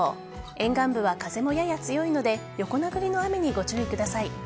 沿岸部は風もやや強いので横殴りの雨にご注意ください。